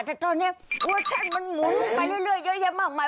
แต่ตอนนี้กลัวแช่งมันหมุนไปเรื่อยเยอะแยะมากมาย